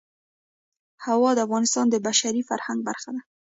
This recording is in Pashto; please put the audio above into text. هوا د افغانستان د بشري فرهنګ برخه ده.